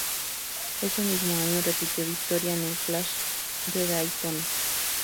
Ese mismo año, repitió victoria en el Clash de Daytona.